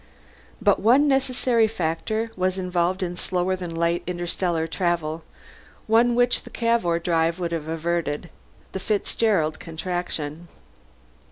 But one necessary factor was involved in slower than light interstellar travel, one which the Cavour drive would have averted: the Fitzgerald Contraction.